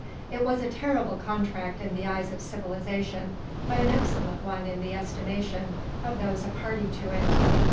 It was a terrible contract in the eyes of civilization, but an excellent one in the estimation of those a party to it.